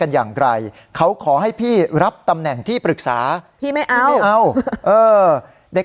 อย่างไกลเขาขอให้พี่รับตำแหน่งที่ปรึกษาพี่ไม่เอาไม่เอาเออเด็ก